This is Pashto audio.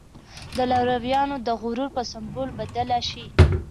د لارويانو د غرور په سمبول بدله شي.